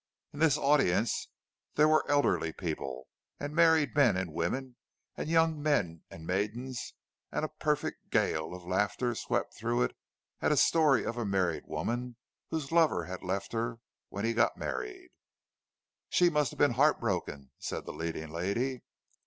In this audience there were elderly people, and married men and women, and young men and maidens; and a perfect gale of laughter swept through it at a story of a married woman whose lover had left her when he got married:— "She must have been heartbroken," said the leading lady.